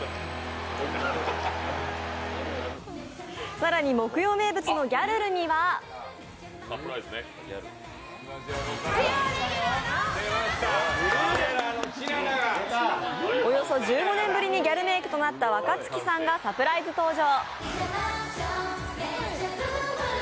更に木曜名物のギャルルにはおよそ１５年ぶりにギャルメイクとなった若槻さんがサプライズ登場。